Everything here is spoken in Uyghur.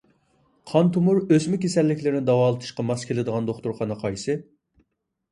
قان تومۇر، ئۆسمە كېسەللىكلىرىنى داۋالىتىشقا ماس كېلىدىغان دوختۇرخانا قايسى؟